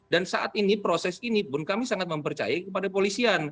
dan saat ini proses ini pun kami sangat mempercayai kepada polisian